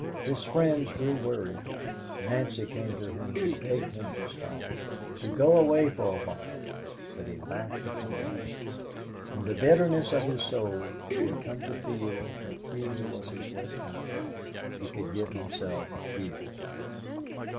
His friends grew worried. Nancy came to him and begged him to stop, to go away for a while; but he laughed at them all. In the bitterness of his soul he had come to feel that here was his way out; he could give himself here.